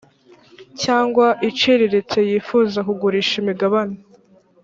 cyangwa iciriritse yifuza kugurisha imigabane